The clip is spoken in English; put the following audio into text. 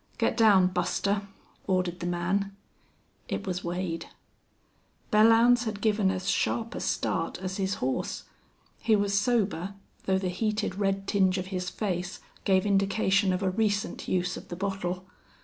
"Get down, Buster," ordered the man. It was Wade. Belllounds had given as sharp a start as his horse. He was sober, though the heated red tinge of his face gave indication of a recent use of the bottle.